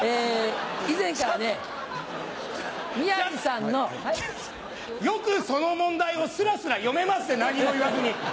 以前から宮治さんの。よくその問題をスラスラ読めますね何にも言わずに。